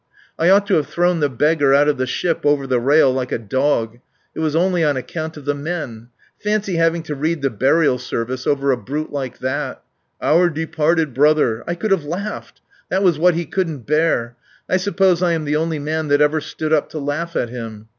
"I ought to have thrown the beggar out of the ship over the rail like a dog. It was only on account of the men. ... Fancy having to read the Burial Service over a brute like that! ... 'Our departed brother' ... I could have laughed. That was what he couldn't bear. I suppose I am the only man that ever stood up to laugh at him.